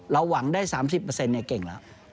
เราหวังได้๓๐แก่งเรียละ